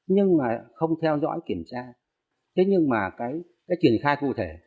nhưng mà không theo dõi kiểm tra thế nhưng mà cái truyền khai phụ thể